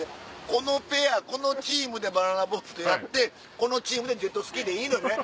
このペアこのチームでバナナボートやってこのチームでジェットスキーでいいのよね？